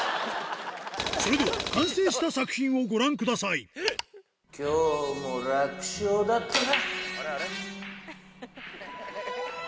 それでは完成した作品をご覧きょうも楽勝だったな。